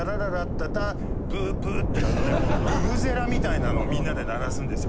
ブブゼラみたいなのをみんなで鳴らすんですよ